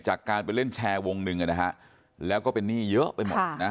จากการไปเล่นแชร์วงหนึ่งนะฮะแล้วก็เป็นหนี้เยอะไปหมดนะ